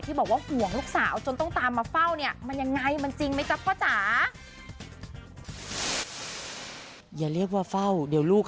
ที่บอกว่าหวงลูกสาวจนต้องตามมาเฝ้านี่